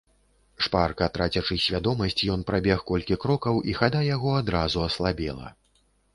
Шпарка трацячы свядомасць, ён прабег колькі крокаў, і хада яго адразу аслабела.